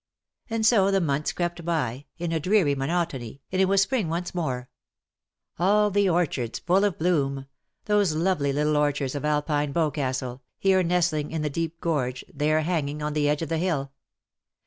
And so the months crept by, in a dreary monotony, and it was spring once more ; all the orchards fall of bloom — those lovely little orchards of Alpine Boscastle, here nestling in the deep gorge, there hanging on the edge of the hill.